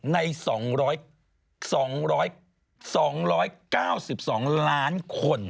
ใน๒๙๒ล้านคน